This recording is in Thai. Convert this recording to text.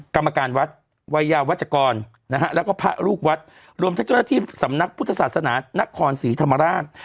กรรมการวัดวัยยาวัชกรนะฮะแล้วก็พระลูกวัดรวมทั้งเจ้าหน้าที่สำนักพุทธศาสนานครศรีธรรมราช